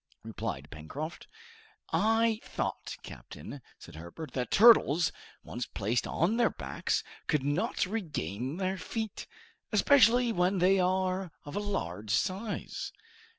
replied Pencroft. "I thought, captain," said Herbert, "that turtles, once placed on their backs, could not regain their feet, especially when they are of a large size?